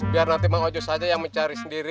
biar nanti mang ojo saja yang mencari sendiri